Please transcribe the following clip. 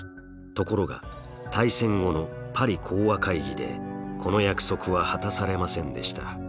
ところが大戦後のパリ講和会議でこの約束は果たされませんでした。